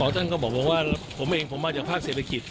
ท่านก็บอกว่าผมเองผมมาจากภาคเศรษฐกิจ